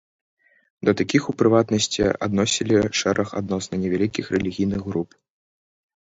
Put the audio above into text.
Да такіх, у прыватнасці адносілі шэраг адносна невялікіх рэлігійных груп.